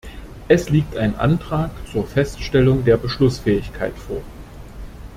Es liegt ein Antrag zur Feststellung der Beschlussfähigkeit vor.